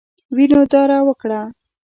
وینو داره وکړه.